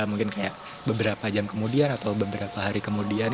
mungkin kayak beberapa jam kemudian atau beberapa hari kemudian